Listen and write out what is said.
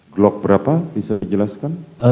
glock berapa bisa dijelaskan